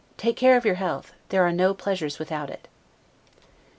Take care of your health; there are no pleasures without it.